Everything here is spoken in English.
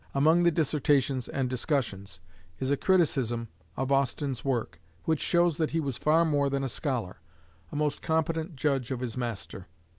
Among the "Dissertations and Discussions," is a criticism of Austin's work, which shows that he was far more than a scholar, a most competent judge of his master.